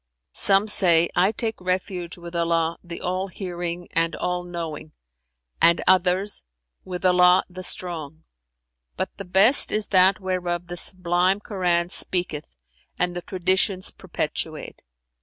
"Some say, 'I take refuge with Allah the All hearing and All knowing,' and others, 'With Allah the Strong;' but the best is that whereof the Sublime Koran speaketh and the Traditions perpetuate.